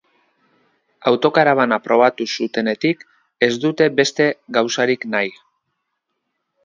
Autokarabana probatu zutenetik ez dute beste gauzarik nahi.